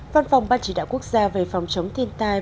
văn phòng ban chỉ đạo quốc gia về phòng chống thiên tai